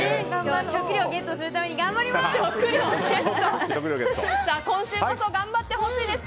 食料ゲットするために頑張ります！